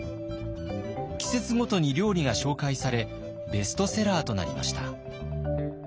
季節ごとに料理が紹介されベストセラーとなりました。